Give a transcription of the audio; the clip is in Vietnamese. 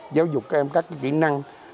giáo dục các em các kỹ năng